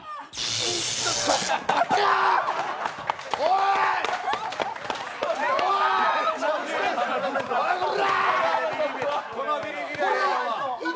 おい！